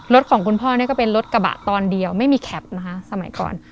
ของคุณพ่อเนี่ยก็เป็นรถกระบะตอนเดียวไม่มีแคปนะคะสมัยก่อน